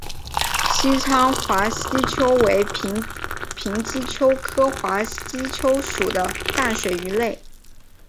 西昌华吸鳅为平鳍鳅科华吸鳅属的淡水鱼类。